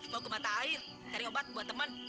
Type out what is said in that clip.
mau ke mata air cari obat buat temen